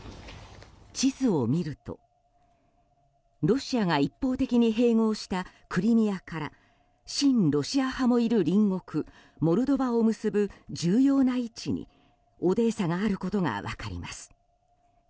地図を見ると、ロシアが一方的に併合したクリミアから親ロシア派もいる隣国モルドバを結ぶ重要な位置にオデーサがあることが分かります。